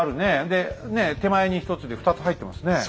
で手前に１つで２つ入ってますね。